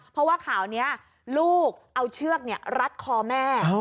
เพราะว่าข่าวนี้ลูกเอาเชือกรัดคอแม่